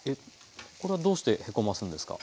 これはどうしてへこますんですか？